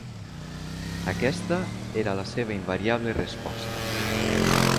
Aquesta era la seva invariable resposta.